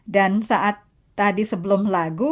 dan saat tadi sebelum lagu